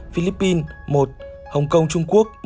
philippines một hong kong trung quốc một